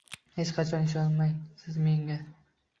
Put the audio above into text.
Hech qachon ishonmang Siz menga